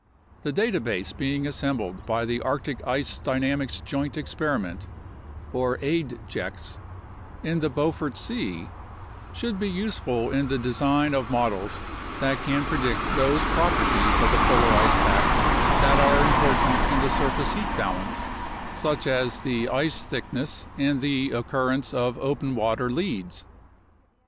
The data base being assembled by the Arctic Ice Dynamics Joint Experiment (aidjex) in the Beaufort Sea should be useful in the design of models that can predict those properties of the polar ice pack that are important in the surface heat balance, such as the ice thickness and the occurrence of open water leads.